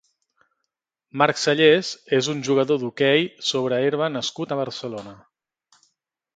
Marc Salles és un jugador d'hoquei sobre herba nascut a Barcelona.